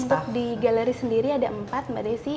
untuk di galeri sendiri ada empat mbak desi